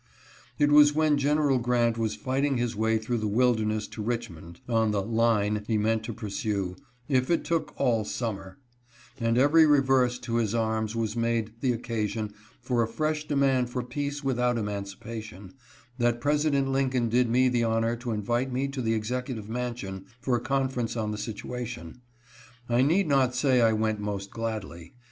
It was when General Grant was fighting his way through the Wilderness to Richmond, on the " line " he meant to pursue "if it took all summer," and every reverse to his arms was made the occasion for a fresh demand for peace without emancipation, that President Lincoln did me the honor to invite me to the Executive Mansion for a conference on the situation. I need not say I went most gladly.